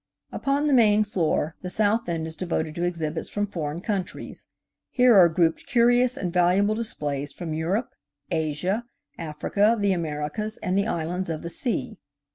Upon the main floor, the south end is devoted to exhibits from foreign countries. Here are grouped curious and valuable displays from Europe, Asia, Africa, the Americas, and the islands of the sea.